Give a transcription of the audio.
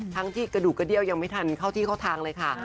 ทั้งที่กระดูกกระเดี้ยวยังไม่ทันเข้าที่เข้าทางเลยค่ะ